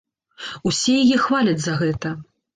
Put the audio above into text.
Усе яе хваляць за гэта.